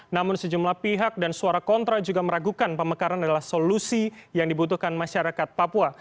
namun sejumlah pihak dan suara kontra juga meragukan pemekaran adalah solusi yang dibutuhkan masyarakat papua